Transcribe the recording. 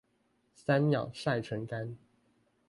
三秒曬成乾